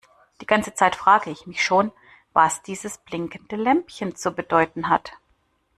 Die ganze Zeit frage ich mich schon, was dieses blinkende Lämpchen zu bedeuten hat.